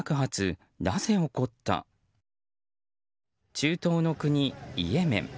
中東の国イエメン。